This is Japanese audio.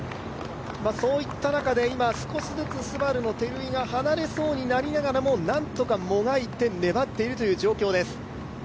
そういった中で少しずつＳＵＢＡＲＵの照井が離れそうになりながらもなんとかもがいて、粘っている状況です。